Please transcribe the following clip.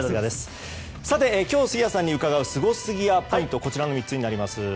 さて今日、杉谷さんに伺うスゴすぎやポイントこちらの３つになります。